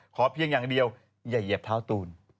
เพียงอย่างเดียวอย่าเหยียบเท้าตูน